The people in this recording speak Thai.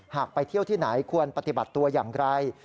ไปเที่ยวที่ไหนควรปฏิบัติตัวอย่างไร